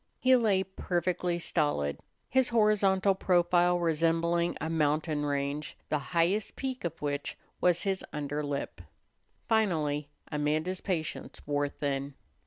He lay perfectly stolid, his horizontal profile resembling a mountain range the highest peak of which was his under lip. Finally Amanda's patience wore thin.